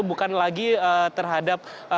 bukan lagi terhadap